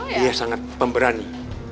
dia sangat pemberani